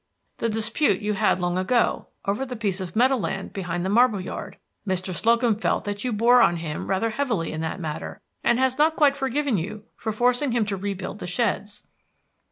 "The dispute you had long ago, over the piece of meadow land behind the marble yard. Mr. Slocum felt that you bore on him rather heavily in that matter, and has not quite forgiven you for forcing him to rebuild the sheds."